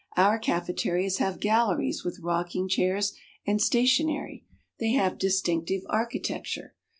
Our cafeterias have galleries with rocking chairs and stationery. They have distinctive architecture.